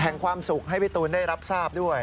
แห่งความสุขให้พี่ตูนได้รับทราบด้วย